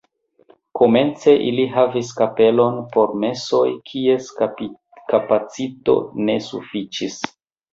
Komence ili havis kapelon por mesoj, kies kapacito ne sufiĉis.